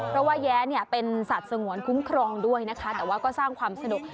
เพราะว่าแย้เนี่ยเป็นสัตว์สงวนคุ้มครองด้วยนะคะแต่ว่าก็สร้างความสนุก